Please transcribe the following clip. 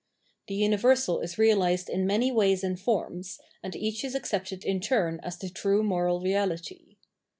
The universal is realised in many ways and forms, and each is accepted in turn as the true moral reality.